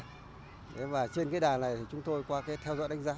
trên đài này chúng tôi qua theo dõi đánh giá